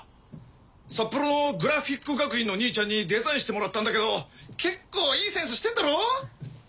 札幌のグラフィック学院のにいちゃんにデザインしてもらったんだけど結構いいセンスしてっだろ？